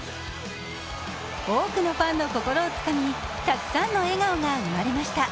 多くのファンの心をつかみたくさんの笑顔が生まれました。